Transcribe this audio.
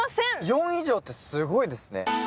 ４以上ってすごいですね